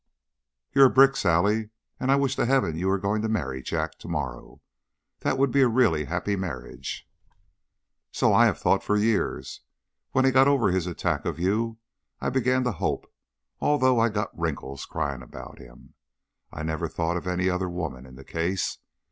"You're a brick, Sally, and I wish to heaven you were going to marry Jack to morrow. That would be a really happy marriage." "So I have thought for years! When he got over his attack of you, I began to hope, although I'd got wrinkles crying about him. I never thought of any other woman in the case."